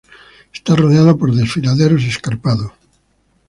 Está rodeado por desfiladeros escarpados.